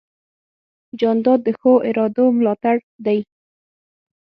جانداد د ښو ارادو ملاتړ دی.